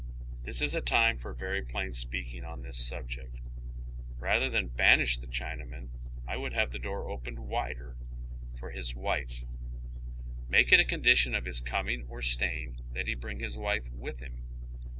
This is a time for very plain speaking on this subject. Rather than banish the China man, I would have tlie door opened wider — for his wife ; make it a condition of his coming or staying that he bring Iiis wife with him.